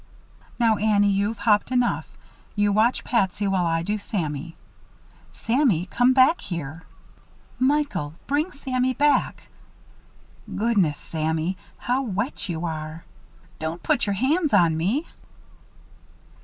"Now, Annie, you've hopped enough. You watch Patsy while I do Sammy. Sammy! Come back here. Michael! Bring Sammy back. Goodness, Sammy! How wet you are don't put your hands on me."